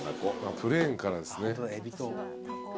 プレーンからですね。